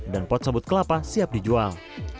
dan pot sabut kelapa siap dijual